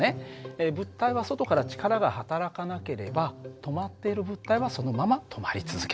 物体は外から力がはたらかなければ止まっている物体はそのまま止まり続ける。